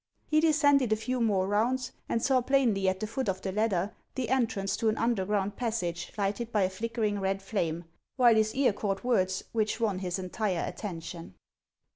He descended a few more rounds, and saw plainly at the foot of the ladder the entrance to an underground passage lighted by a flickering red flame, while his ear caught words which won his entire attention.